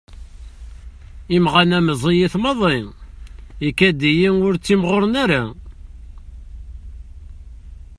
Imaɣan-a meẓẓiyit maḍi, ikad-yi-d ur ttimɣuren ara.